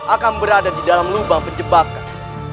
akan berada di dalam lubang penjebakan